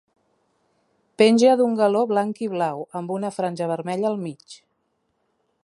Penja d'un galó blanc i blau, amb una franja vermella al mig.